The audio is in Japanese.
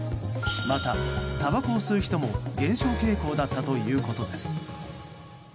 また、たばこを吸う人も減少傾向だったということです。